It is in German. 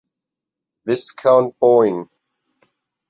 Viscount Boyne.